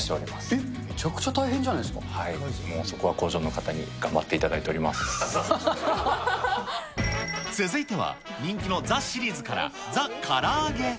えっ、めちゃくちゃ大変じゃもうそこは工場の方に頑張っ続いては、人気のザ・シリーズから、ザ・から揚げ。